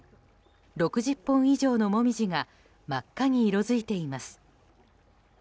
６０本以上のモミジが真っ赤に色づいています。